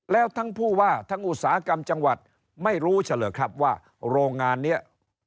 แล้วทั้งผู้ว่าทั้งอุตสาหกรรมจังหวัดไม่รู้เฉลอครับว่าโรงงานนี้